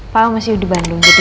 papa masih di bandung jadi